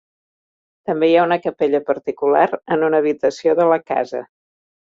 També hi ha una capella particular en una habitació de la casa.